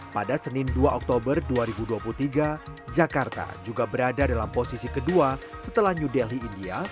pada senin dua oktober dua ribu dua puluh tiga jakarta juga berada dalam posisi kedua setelah new delhi india